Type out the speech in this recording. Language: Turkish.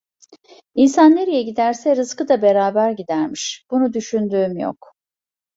İnsan nereye giderse rızkı da beraber gidermiş; bunu düşündüğüm yok.